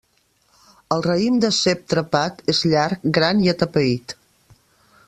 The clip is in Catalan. El raïm de cep trepat és llarg, gran i atapeït.